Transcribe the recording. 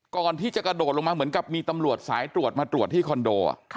ก่อนที่จะกระโดดลงมาเหมือนกับมีตำรวจสายตรวจมาตรวจที่คอนโด